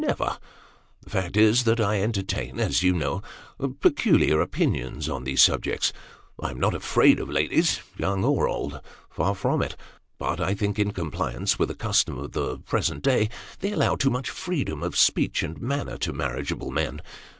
" Never ! The fact is, that I enter tain, as you know, peculiar opinions on those subjects. I am not afraid of ladies, young or old far from it; but, I think, that in compliance with the custom of the present day, they allow too much freedom of speech and manner to marriageable men.